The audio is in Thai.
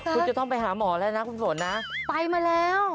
คุณจะต้องไปหาหมอแล้วนะคุณฝนนะไปมาแล้ว